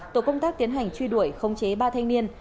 tổ công tác tiến hành truy đuổi khống chế ba thanh niên